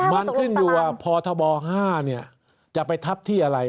มันขึ้นอยู่ว่าพบ๕จะไปทับที่อะไร